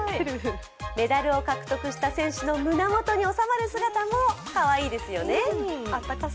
メダルを獲得した選手の胸元に収まる姿もかわいいですよね。